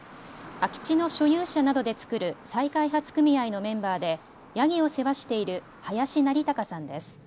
空き地の所有者などで作る再開発組合のメンバーでヤギを世話している林成鎬さんです。